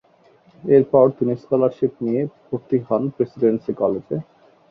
এরপর তিনি স্কলারশিপ নিয়ে ভর্তি হন প্রেসিডেন্সি কলেজে।